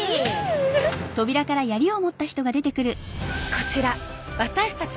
こちら私たち